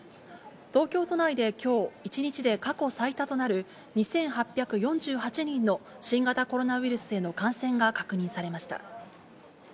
東京都内できょう、１日で過去最多となる２８４８人の新型コロナウイルスへの感染が確認されました。